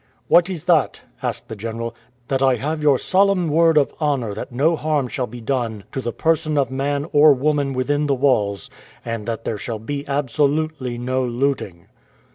" What is that ?'' asked the general. " That I have your solemn word of honour that no harm shall be done to the person of man or woman within the walls, and that there shall be absolutely no looting.''